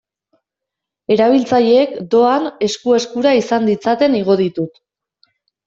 Erabiltzaileek, doan, esku-eskura izan ditzaten igo ditut.